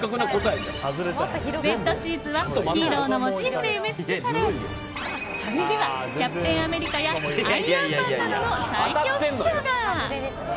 ベッドシーツはヒーローのモチーフで埋め尽くされ壁にはキャプテン・アメリカやアイアンマンなどの最強ヒーローが。